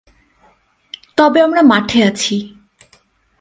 তবে আমরা মাঠে আছি।